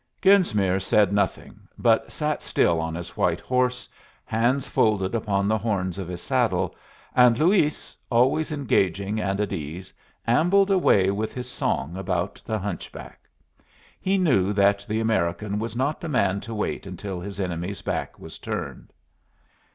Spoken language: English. Genesmere said nothing, but sat still on his white horse, hands folded upon the horns of his saddle, and Luis, always engaging and at ease, ambled away with his song about the hunchback. He knew that the American was not the man to wait until his enemy's back was turned.